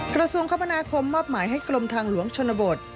กระทรวงคมนาคมมอบหมายให้กรมทางหลวงชนบท